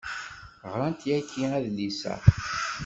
Ɣrant yagi adlis-a.